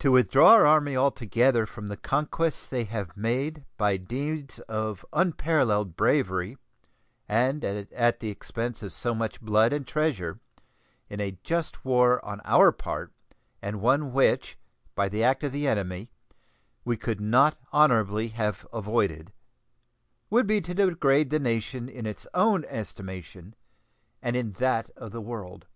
To withdraw our Army altogether from the conquests they have made by deeds of unparalleled bravery, and at the expense of so much blood and treasure, in a just war on our part, and one which, by the act of the enemy, we could not honorably have avoided, would be to degrade the nation in its own estimation and in that of the world.